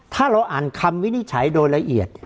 ถ้าเราอ่านคำวินิจฉัยโดยละเอียด